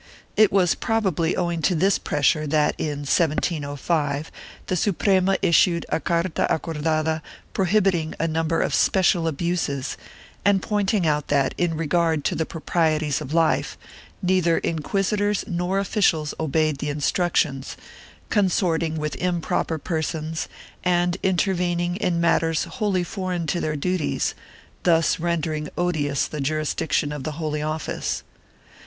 It was probably owing to this pressure that, in 1705, the Suprema issued a carta acordada prohibiting a number of special abuses and pointing out that, in regard to the proprieties of life, neither inquisitors nor officials obeyed the Instructions, consorting with improper persons and intervening in matters wholly foreign to their duties, thus rendering odious the jurisdiction of the Holy Office.